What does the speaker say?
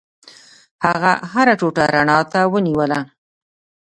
هغه هره ټوټه رڼا ته ونیوله.